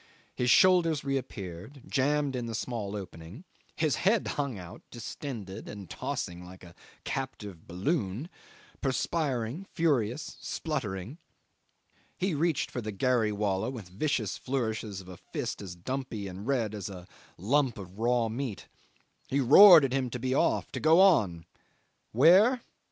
His shoulders reappeared, jammed in the small opening; his head hung out, distended and tossing like a captive balloon, perspiring, furious, spluttering. He reached for the gharry wallah with vicious flourishes of a fist as dumpy and red as a lump of raw meat. He roared at him to be off, to go on. Where?